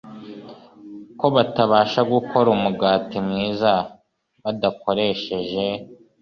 ko batabasha gukora umugati mwiza badakoresheje